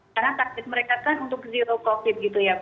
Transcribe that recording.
karena takdir mereka kan untuk zero covid gitu ya